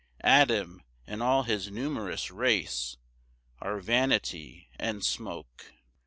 Adam and all his numerous race Are vanity and smoke.